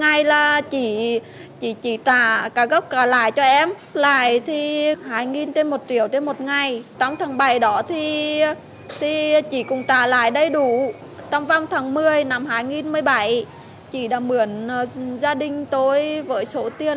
gia đình tôi với số tiền